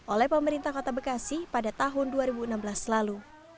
oleh pemerintah kota bekasi pada tahun dua ribu enam belas lalu